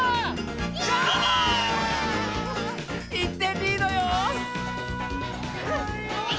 １てんリードよ！